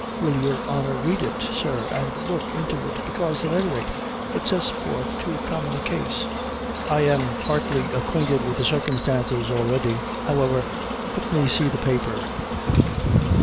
Will your honor read it, sir, and look into it, bekaise, at any rate, it sets forth too common a case." "I am partly acquainted with the circumstances, already; however, let me see the paper."